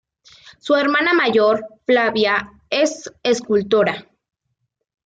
Su hermana mayor, Flavia, es escultora.